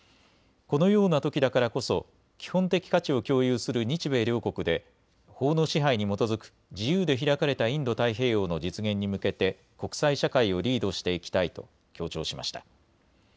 このようなときだからこそ基本的価値を共有する日米両国で法の支配に基づく自由で開かれたインド太平洋の実現に向けて国際社会をリードしていきたいと強調しました。